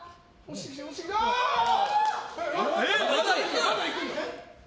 まだいく？